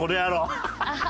ハハハハ！